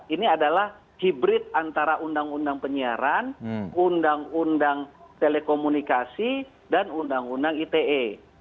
ini adalah hibrid antara uu penyiaran uu telekomunikasi dan uu ite